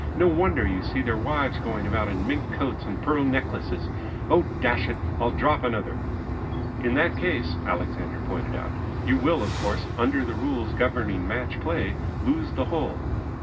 No wonder you see their wives going about in mink coats and pearl necklaces. Oh, dash it! I'll drop another!" "In that case," Alexander pointed out, "you will, of course, under the rules governing match play, lose the hole."